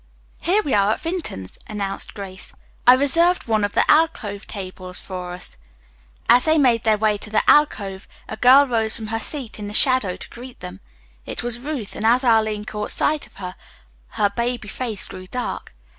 "Here we are at Vinton's," announced Grace. "I ordered one of the alcove tables reserved for us." As they made their way to the alcove a girl rose from her seat in the shadow to greet them. It was Ruth, and as Arline caught sight of her her baby face grew dark.